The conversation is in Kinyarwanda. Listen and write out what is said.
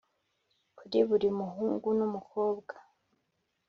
kuri buri muhungu n'umukobwa.